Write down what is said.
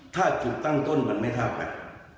ถ้าถูกตั้งต้นมันไม่เท่าไหร่